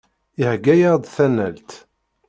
Iheyya-aɣ-d tanalt.